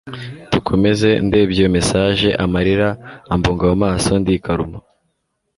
dukomeze ndebye iyo message amarira ambunga mumaso ndikaruma